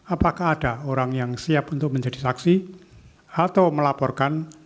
apakah ada orang yang siap untuk menjadi saksi atau melaporkan